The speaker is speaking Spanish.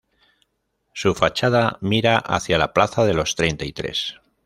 Su fachada mira hacia la Plaza de los Treinta y Tres.